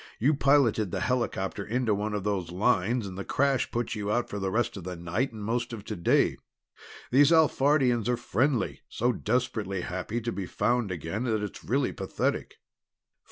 You piloted the helihopper into one of those lines, and the crash put you out for the rest of the night and most of today. These Alphardians are friendly, so desperately happy to be found again that it's really pathetic."